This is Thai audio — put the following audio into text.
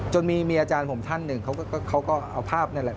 จนมีอาจารย์ผมท่านหนึ่งเขาก็เอาภาพนั่นแหละ